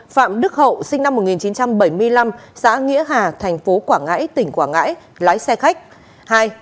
một phạm đức hậu sinh năm một nghìn chín trăm bảy mươi năm xã nghĩa hà tp quảng ngãi tỉnh quảng ngãi lái xe khách